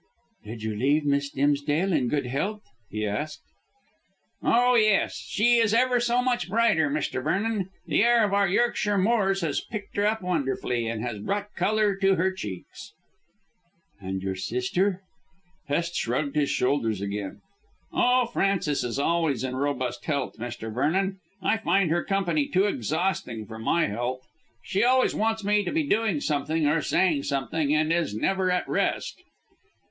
"Did you leave Miss Dimsdale in good health?" he asked. "Oh, yes. She is ever so much brighter, Mr. Vernon. The air of our Yorkshire moors has picked her up wonderfully and has brought colour to her cheeks." "And your sister?" Hest shrugged his shoulders again. "Oh, Frances is always in robust health, Mr. Vernon. I find her company too exhausting for my health. She always wants me to be doing something or saying something, and is never at rest."